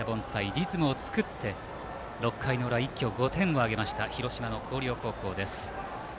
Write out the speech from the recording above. リズムを作って６回の裏一挙５点を挙げました広島の広陵高校です。